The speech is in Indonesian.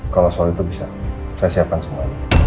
kalau soal itu bisa saya siapkan semuanya